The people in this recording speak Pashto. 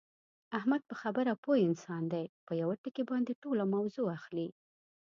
احمد په خبره پوه انسان دی، په یوه ټکي باندې ټوله موضع اخلي.